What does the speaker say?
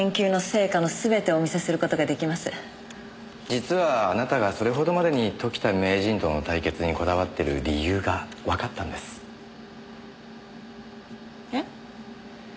実はあなたがそれほどまでに時田名人との対決にこだわっている理由がわかったんです。え？